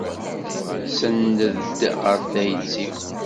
Senned-d ɣer tayet-iw.